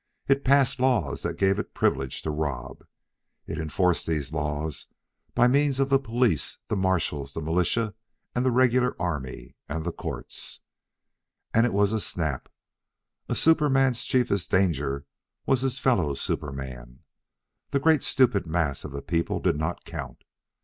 It passed laws that gave it privilege to rob. It enforced these laws by means of the police, the marshals, the militia and regular army, and the courts. And it was a snap. A superman's chiefest danger was his fellow superman. The great stupid mass of the people did not count.